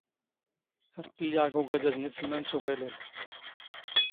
ⴰⵔ ⵜⵜⵍⵍⵉⵖ ⴳ ⵓⴳⴰⴷⴰⵣ ⵏ ⵉⵙⵍⵎⴰⵏ ⵙ ⵓⴱⴰⵍⴰⵍ.